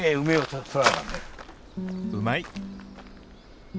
うまい！